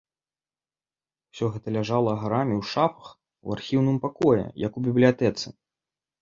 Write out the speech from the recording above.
Усё гэта ляжала гарамі ў шафах, у архіўным пакоі, як у бібліятэцы.